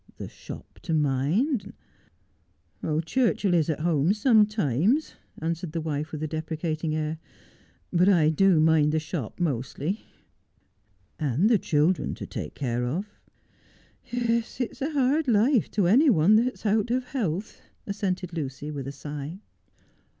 The shop to mind '' Churchill is at home sometimes,' answered the wife with a deprecating air, ' but I do mind the shop mostly.' ' And the children to take care of ——'' Yes, it is a hard life to any one that'u out of health,' assented Lucy with a sigh.